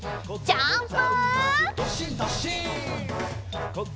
ジャンプ！